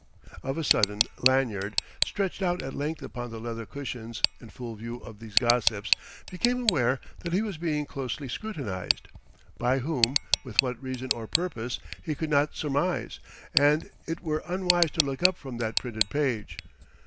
Of a sudden Lanyard stretched out at length upon the leather cushions, in full view of these gossips became aware that he was being closely scrutinised. By whom, with what reason or purpose, he could not surmise; and it were unwise to look up from that printed page.